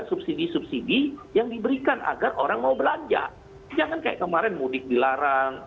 subsidi subsidi yang diberikan agar orang mau belanja jangan kayak kemarin mudik dilarang